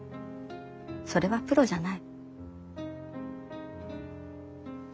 それはプロじゃない。